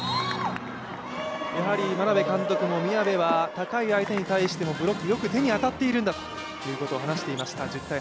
やはり眞鍋監督も宮部は高い相手に対してもブロックよく手に当たっているんだと話していました。